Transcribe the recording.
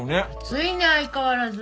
熱いね相変わらず。